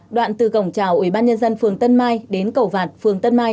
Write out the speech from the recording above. đoạn từ cổng trào ủy ban nhân dân phường tân mai đến cầu vạt phường tân mai